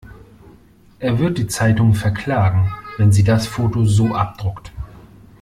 Er wird die Zeitung verklagen, wenn sie das Foto so abdruckt.